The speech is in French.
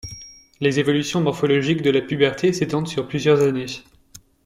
Les évolutions morphologiques de la puberté s'étendent sur plusieurs années.